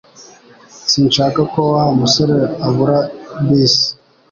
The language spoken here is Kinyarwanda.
Sinshaka ko Wa musore abura bisi